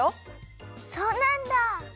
そうなんだ。